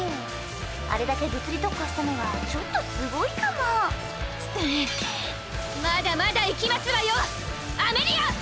あれだけ物理特化したのはちょっとすごいかもまだまだいきますわよアメリア！